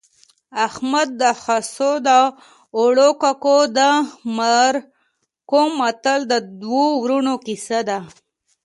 احمد د خسو د اوړو ککو د مرکو متل د دوو ورونو کیسه ده